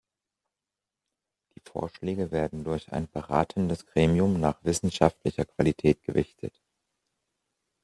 Die Vorschläge werden durch ein beratendes Gremium nach wissenschaftlicher Qualität gewichtet.